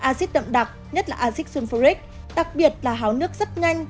axit đậm đặc nhất là axit xương phú rích đặc biệt là háo nước rất nhanh